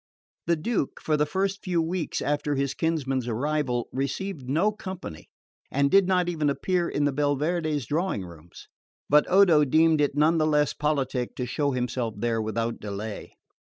The Duke, for the first few weeks after his kinsman's arrival, received no company; and did not even appear in the Belverde's drawing rooms; but Odo deemed it none the less politic to show himself there without delay.